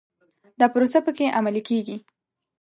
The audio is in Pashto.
دا پروسه په کې عملي کېږي.